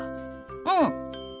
うん。